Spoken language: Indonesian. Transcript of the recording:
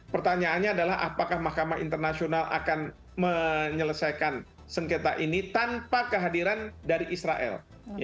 pertanyaannya adalah apakah mahkamah internasional akan menyelesaikan sengketa ini tanpa kehadiran dari israel